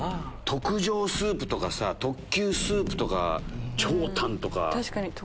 特上スープとかさ特級スープとか頂湯とか。